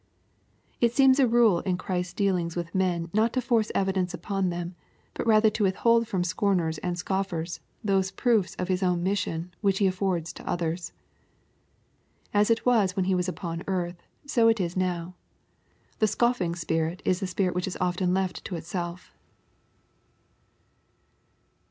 It seems a rule in Christ's dealings with men not to force evidence upon them, but rather to withhold from scomers and scoffers those proofs of His own mission which He affords to othera And as it was when He was upon earth, so it is now. The scoffing spirit is the spirit which is often Icfl te itself.